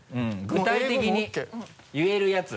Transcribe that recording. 具体的に言えるやつ。